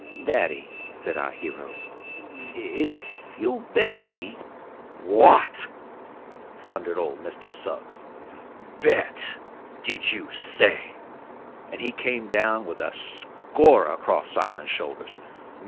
"Daddy," said our hero, "ef you'll bet me " "What!" thundered old Mr. Suggs. "Bet, did you says?" and he came down with a scorer across Simon's shoulders.